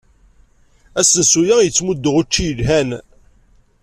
Asensu-a yettmuddu učči yelhan.